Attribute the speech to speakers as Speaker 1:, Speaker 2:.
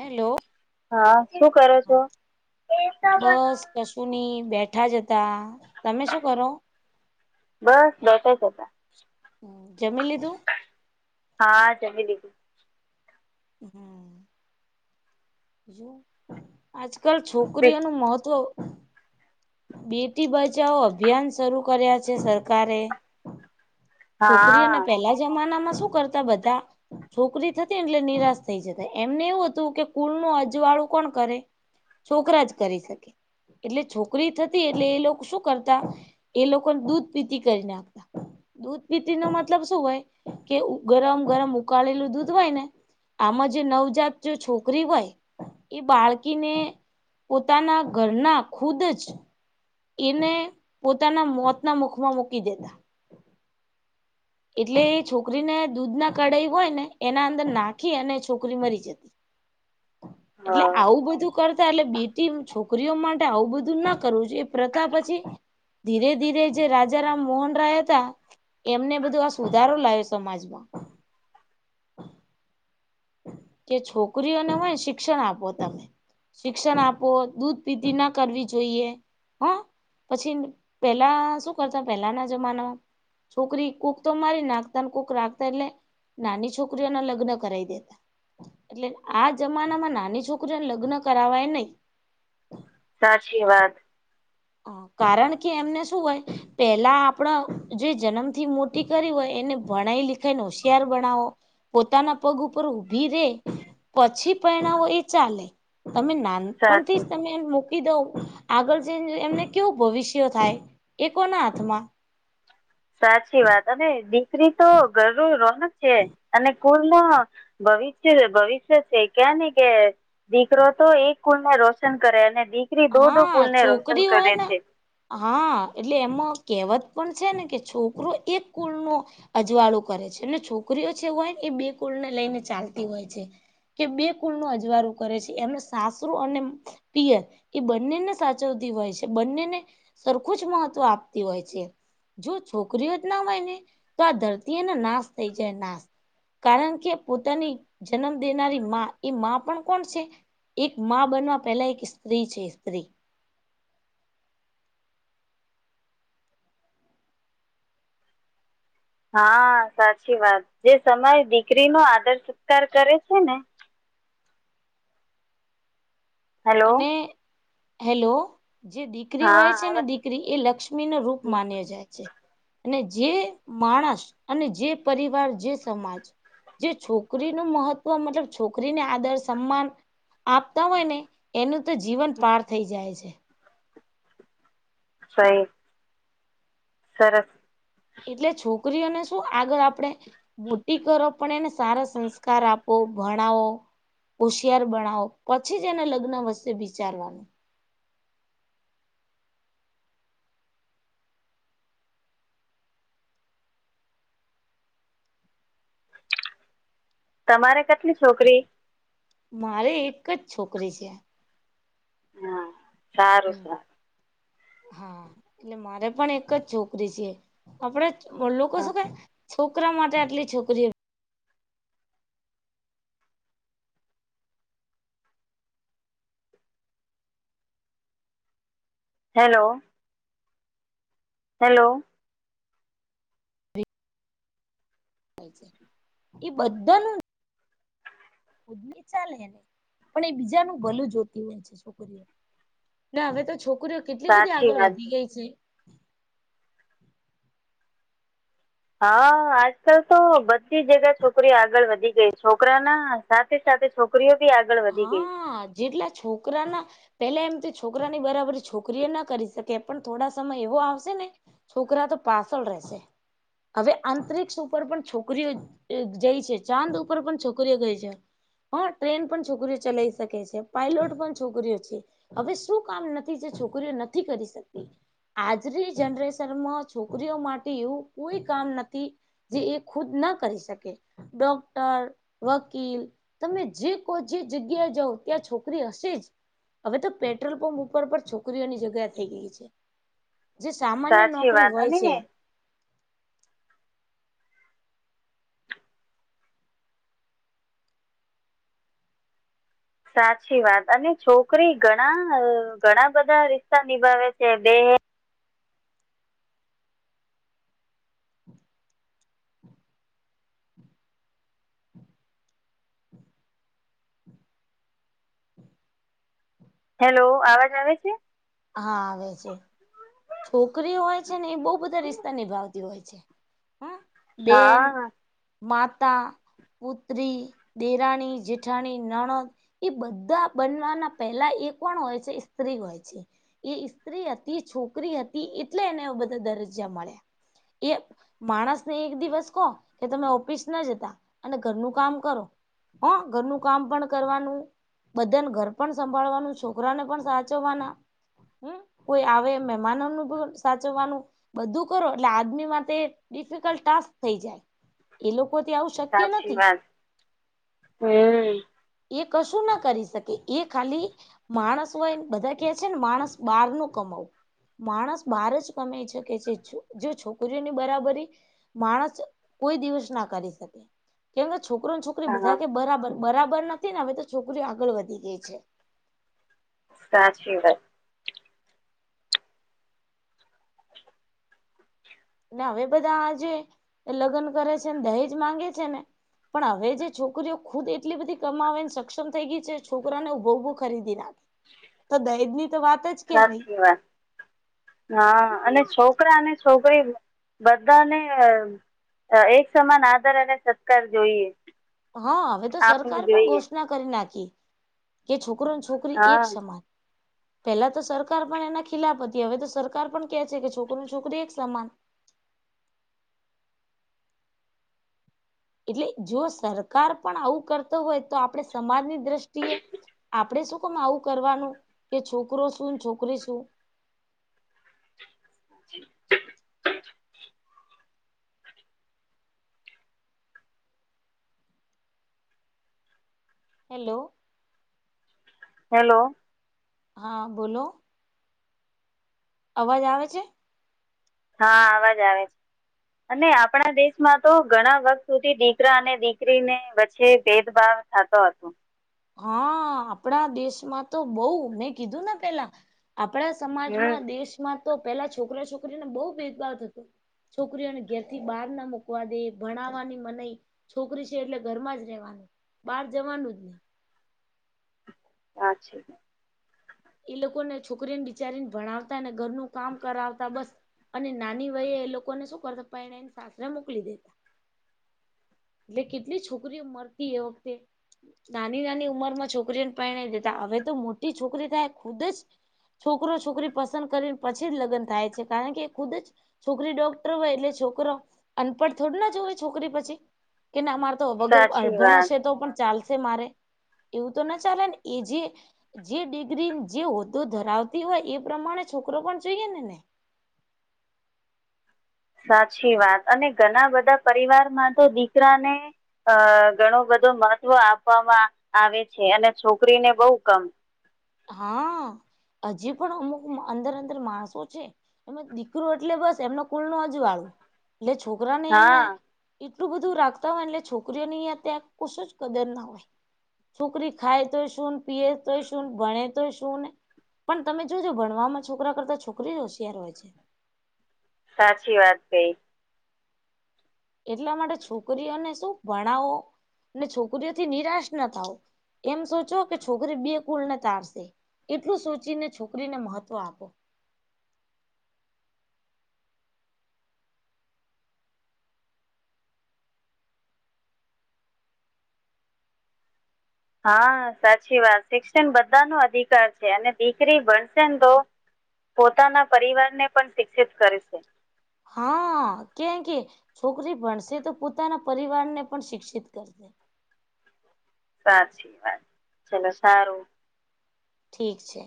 Speaker 1: Hello
Speaker 2: હા શું કરો છો?
Speaker 1: બસ કશું નહી બેઠા જતા તમે શું કરો?
Speaker 2: બસ બેટા જ હતા
Speaker 1: જમી લીધું
Speaker 2: હા જ દીધી- -
Speaker 1: હમ. જો આજકાલ છોકરીઓનું મહત્વ- - બેટી બચાવો અભિયાન શરૂુ કર્યા છે સરકારે- - છોકરીઓને
Speaker 2: હા
Speaker 1: પેલા જમાનામાં શું કરતા બધા- - છોકરી થતી ને એટલે નિરાશ થઈ જતા એમને એવું હતું કે કુલ નું અજવાળું કોણ કરે- - છોકરા જ કરી શકે એટલે છોક- - છોકરી થતી એટલે એ લોકો શું કરતા એ લોકોને દૂધ પીતી કરીનેખતા- - દૂધ પીતી ન મતલબ શું હોય કે ગરમ ગરમ ઉકાળેલું દૂધ હોય ને- - આમાં જે નવજાત જો છોકરી હોય- - એ બાળકીને પોતાના ઘરના ખુદ જ એને પોતાના મોતના મુખમાં મૂકી દેતા- - એટલે એ છોકરીને દૂધ ના કઢાઈ હોય ને એના અંદર નાખી અને છોકરી મરી જતી- - એટલે
Speaker 2: હા
Speaker 1: આવું બધું કરતા એટલે બેટી છોકરીઓ માટે આવું બધું ના કરવું જોએ. પ્રથા પછી ધીરે ધીરે જે રાજાારામ મોહન રાય હતા- - એમને બધું આ સુધારો લાવ્યો સમાજમાં- - કે છોકરીઓને હોયને શિક્ષણ આપો તમે- - શિક્ષણ આપો દૂધ પીતી ના કરવી જોઈએ હા- - પછી પેલા શું કરતા પેલાના જમાનામાં? છોકરી કુક તો મારી નાખતા ને કૂક રાખતા એટલે નાની છોકરીઓને લગ્ન કરાવ દેતા- - એટલે આ જમાના માં નાની છોકરીઓને લગ્ન કરાવાય નહી
Speaker 2: સાચી વાત
Speaker 1: હ કારણ કે એમને શું હોય- - પેલા આપણા જે જન્મથી મોટી કરી હોય એને ભણાઈ લિખાઈને હોશિયાર ભણાવો- - પોતાના પગ ઉપર ઊભી રે પછી પરહેણાવો એ ચાલે તમે ના- - પણ થી
Speaker 2: સાચી
Speaker 1: તમે મૂકી દવ આગળ જને- - એમને કેવું ભવિષ્ય થાય એ કોના હાથમાં- -
Speaker 2: સાચી વાત અને દીકરી તો ઘર રોનક છે, અને- - કૂલ ના ભવિષ્ય ભવિષ્ય છે, ક્યા નને કે દીકરો તો એક કુલ ને રોશન કરે અને દીકરી દો દો
Speaker 1: હા
Speaker 2: કુલને રોશન
Speaker 1: છોકરી હોય
Speaker 2: કરે
Speaker 1: ને
Speaker 2: છે.
Speaker 1: હા એટલે એમાં કહેવત પણ છે, ને કે છોકરો એક કુલનો અજવાળું કરે છે, અને છોકરીઓ છે, હોય ને એ બે કુળને લઈને ચાલતી હોય છે. કે બે કુલ ન અજવારું કરે છે, એમને સાસુ અને પિયર એ બંનેને સાચવતી હોય છે, બંનેને સરખું જ મહત્વ આપતી હોય છે. જો છોકરીઓ જ ના હોય ને તો, આ ધરતી એને નાશ થઈ જાય નાશ કારણ કે પોતાની જન્મ દેનારી માં એ માં પણ કોણ છે? એક માં બનવા પહેલા એક સ્ત્રી છે, સ્ત્રી
Speaker 2: હા સાચી વાત જે સમય દીકરી નો આદર સત્કાર કરે છે, ને હેલો
Speaker 1: અને હેલો જે દીકરી
Speaker 2: હા
Speaker 1: હોય છે, ને દીકરી એ લક્ષ્મી નો રૂપ
Speaker 2: આવે
Speaker 1: માન્યો જાય છે. અને જે માણસ અને જે પરિવાર જે સમાજ જે છોકરી ન મહત્વ મતલબ છોકરીને આદર સન્માન આપતા હોય ને એનું તો જીવન પાર થઈ જાય છે.
Speaker 2: સા સરારસ
Speaker 1: એટલે છોકરીઓને શું આગળ આપણેે મોટી કરો પણ એને સારા સંસ્કાર આપો ભણાવો હોશિયાર બનાાવો પછી જ એના લગ્ન વશે વિચારવાનું.
Speaker 2: તમારે કેટલી છોકરી
Speaker 1: મારે એક જ છોકરી છે.
Speaker 2: હા
Speaker 1: હમ
Speaker 2: સારું
Speaker 1: હા એટલે મારે પણ એક જ છોકરી છે, આપડે લોકો શું ક છોકરા માટે આટલી છોકરી
Speaker 2: હેલો હેલો.
Speaker 1: એ બધાનું ચાલેને પણ એ બીજાનું ભલ જોતી હોય છે, છોકરીઓ ના હવે તો છોકરીઓ કેટલી બધી
Speaker 2: સાચી
Speaker 1: આગળ
Speaker 2: વાત
Speaker 1: વધી ગઈ છે.
Speaker 2: હા આજકાલ તો બધી જગ્યા છોકરીઓ આગળ વધી ગઈ છોકરા ના સા સાથે સાથે છોકરીઓ બી આગળ વધી ગઈ
Speaker 1: હા જેટલા છોકરાના પેલા એમ તો છોકરાની બરાબર છોકરી એ ના કરી શકે એ પણ થોડા સમય એવો આવશે ને છોકરા તો પાછળ રહેશે હવે આંતરિક્ષ ઉપર પણ છોકરીઓ જાય છે ચાંદ ઉપર પણ છોકરીઓ ગઈ છે હ ટ્રેન પણ છોકરીઓ ચલાઈ શકે છે પાયલોટ પણ છોકરીઓ છે હવે શું કામ નથી જે છોકરીઓ નથી કરી શકતી આજની જનરેશનમાં છોકરીઓ માટે એવું કોઈ કામ નથી જે એ ખુદ ના કરી શકે ડોક્ટર વકીલ તમે જે લોકો જે જગ્યા જાાવ ત્યાં છોકરી હશે જ હવે તો પેટ્રોલ પંપ ઉપર પણ છોકરીઓની જગ્યા થઈ ગઈ છે જે સામાન્ય
Speaker 2: સાચી
Speaker 1: નોકરી
Speaker 2: વાત
Speaker 1: હોય
Speaker 2: અને
Speaker 1: છે
Speaker 2: સાચી વાત અને છોકરી ઘણા ઘણા બધા રિશ્તા નિભાવે છે બે હેલો અવાજ આવે છે
Speaker 1: હા આવે છે છોકરી હોય છે ને એ બહ બધા રિશ્તા નિભાવતી હોય છે હમ બેન
Speaker 2: હા
Speaker 1: માતા પુત્રી દેરાણી જેઠાણી નણદ એ બધા બનવાના પહેલા એ કોણ હોય છે સ્ત્રી હોય છે એ સ્સ્ત્રી હતી છોકરી હતી એટલે એને બધા દરજ્જા મળ્યા એ માણસ ને એક દિવસ કહો કે તમે ઓફિસ ના જતા અને ઘરનું કામ કરો હ ઘરનું કામ પણ કરવાનું બધને ઘર પણ સંભાળવાનું છોકરાને પણ સાચવવાના કોઈ આવે માનવ નનું બ સાચવવાનું બધું કરો એટલે આદમી માટે ડિફિકલ્ટ ટાસ્ક થઈ જાય એ લોકો ત આવ શકે
Speaker 2: સાચી વાત હમ
Speaker 1: એ કશું ના કરી શકે એ ખાલી માણસ હોય બધા કે છે ને માણસ બહાર નું કમાવું માણસ બહાર જ કમાઈ શકે છે જો છોકરીઓની બરાબરી માણસ કોઈ દિવસ ના કરી શકે કેમકે છોકરો છોક છોકરી
Speaker 2: હા
Speaker 1: બધા કે બરાબર બરાબર નથી ને હવે તો છોકરીઓ આગળ વધી ગઈ છે
Speaker 2: સાચી
Speaker 1: ને હવે બધા આજ લગ્ન કરે છે દહેજ માંગે છે ને પણ હવે જે છોકરીઓ ખુદ એટલી બધી કમાવે ને સક્ષમ થઈ ગઈ છે છોકરાને ઉભો ઉભો ખરીદી નાખે તો દહીજ ની તો વાત જ
Speaker 2: ના
Speaker 1: ક્યાં રહી
Speaker 2: શવાય હા અને છોકરા અને છોકરી બધાને એક સમાન આદર અને સત્કાર જોઈએ
Speaker 1: હા હવે તો સરક
Speaker 2: આપવું
Speaker 1: પણ
Speaker 2: જોઈએ
Speaker 1: ઘોષણા કરી નાખી કે છોકરોને છોક નકરી
Speaker 2: હા
Speaker 1: એક સમાજ પેલા તો સરકાર પણ એના ખિલાફ હતી હવે તો સરકાર પણ કે છે કે છોકરીની છોકરી એક સમાન એટલે જો સરકાર પણ આવું કરતો હોય તો આપે સમાજની દ્રષ્ટિ આપણે શું ક આવું કરવાનું કે છોકરો શું છોકરી શું
Speaker 2: [inaudible]
Speaker 1: હેલો
Speaker 2: હેલો
Speaker 1: હા બોલો અવાજ આવે છે
Speaker 2: હા અવાજ આવે છે અને આપણા દેશમાં તો ઘણા વખત સુધી દીકરા અને દીકરીને વચ્ચે ભેદભાવ ખતો હતોું
Speaker 1: હા આપણા દેશમાં તો બહ મેં કીધું ને પેલા આપડા
Speaker 2: હમ
Speaker 1: સમાજમાં દેશમાં તો પેલા છોકરા છોકરીને બહુ ભેદભાવ થતો છોકરીઓને ઘેરથી બહાર ના મુૂકવા દે ભણાવવાની મને છોકરી છે એટલે ઘરમાં જ રહેવાનું બહાર જવાનું જ નહી
Speaker 2: હાછી
Speaker 1: એ લોકોને છોકરીને બિચારીને ભણાવતા અનેને ઘરનું કામ કરાવતા બસ અને નાની વયે એ લોકોને શું કરતા પણ એને એને સાસરે મોકલી દેતા એટલે કેટલી છોકરીઓ મળતી એ વખતે નાની નાની ઉંમર માં છોકરીઓને પરિણ દેતા હવે તો મોટી છોકરી થાય ખુદ જ છોકરો છોકરી પસંદ કરીને પછી જ લગ્ન થાય છે કારણ કે ખુદ જ છોકરી ડોક્ટર હોય એટલે છોકરો અનપડ થોડ ના જ હોય છોકરી પછી કે ના અમારે તો વગર
Speaker 2: સાચી
Speaker 1: અડભણ
Speaker 2: વાત
Speaker 1: હશે તો પણ ચાલશે મારે એવું તો ના ચાલે એ જે જે ડિગ્રી જે હોદ્દો ધરાવતી હોય એ પ્રમાણે છોકરો પણ જોઈએ ને ને
Speaker 2: સાચી વાત અને ઘણા બધા પરિવારમાં તો દીકરા ને અ ઘણું બધું મહત્વ આપવામાં આવે છે અને છોકરીને બઉુ કમ
Speaker 1: હા હજી પણ અમુક અંદર અંદર માણસો છે એ દીકરો એટલે બસ એમનો કુલનો હજુવાળો એટલે છોકરાને એમને
Speaker 2: હા
Speaker 1: એટલું બધું રાખતા હોય એટલે છોકરીઓની અત્યાંર કશુજ કદર ના હોય છુકરી ખાઈ તો શું ને પીએ તોય શું ભણે તો શું ને પણ તમે જોજો ભણવામાં છોકરા કરતા છોકરી જ હોશિયાર હોય છે
Speaker 2: સાચી વાત કઈ
Speaker 1: એટલા માટે છોકરીઓને શું ભણાવો અને છોકરીઓથી નિરાશ ના થાવો એમ સોચો કે છોકરી બે કુલને તારશે એટલું સોચીને છોકરીને મહત્વ આપો
Speaker 2: હા સાચી વાત શિક્ષણ બધાનો અધિકાર છે અને દીકરી ભણશે ને તો પોતાના પરિવારને પણ શિક્ષિત કરે છે
Speaker 1: હા કેમકે છોકરી ભણશે તો પોતાના પરિવારને પણ શિક્ષિત કરશે
Speaker 2: સાચી વાત ચલો સારું
Speaker 1: ઠીક છે